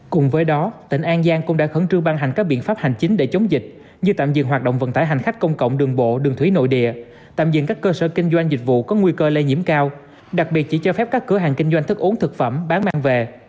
cùng với đó tỉnh an giang cũng đã khẩn trương ban hành các biện pháp hành chính để chống dịch như tạm dừng hoạt động vận tải hành khách công cộng đường bộ đường thủy nội địa tạm diện các cơ sở kinh doanh dịch vụ có nguy cơ lây nhiễm cao đặc biệt chỉ cho phép các cửa hàng kinh doanh thức uống thực phẩm bán mang về